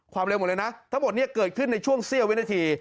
เร็วหมดเลยนะทั้งหมดเนี่ยเกิดขึ้นในช่วงเสี้ยววินาที